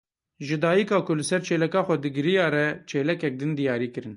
Ji dayîka ku li ser çêleka xwe digiriya re çêlekek din diyarî kirin.